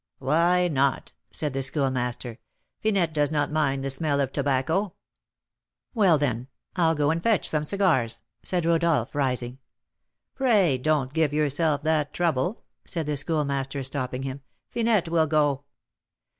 "Why not?" said the Schoolmaster. "Finette does not mind the smell of tobacco." "Well, then, I'll go and fetch some cigars," said Rodolph, rising. "Pray don't give yourself that trouble," said the Schoolmaster, stopping him; "Finette will go."